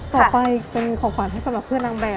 ต่อไปเป็นของขวัญให้สำหรับเพื่อนนางแบบ